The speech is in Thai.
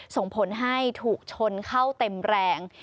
ส่งผลให้ถูกชนเข้าเต็มแรง